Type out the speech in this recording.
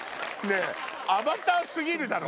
アバター過ぎるだろ！